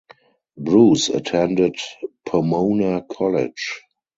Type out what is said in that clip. Bruce attended Pomona College.